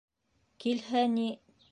— Килһә ни...